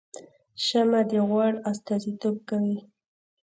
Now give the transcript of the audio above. شمعه د غوړ استازیتوب کوي